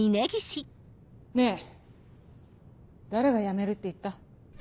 ねぇ誰が辞めるって言った？